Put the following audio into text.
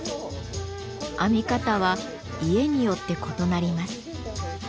編み方は家によって異なります。